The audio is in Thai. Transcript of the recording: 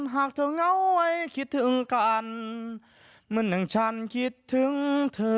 หากเธอเงาไว้คิดถึงกันเหมือนอย่างฉันคิดถึงเธอ